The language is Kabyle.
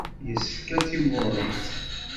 Yessefk ad timɣuremt.